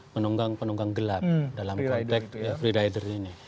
penunggang penunggang gelap dalam konteks free rider ini